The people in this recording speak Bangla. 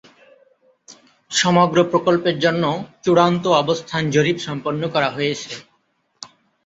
সমগ্র প্রকল্পের জন্য চূড়ান্ত অবস্থান জরিপ সম্পন্ন করা হয়েছে।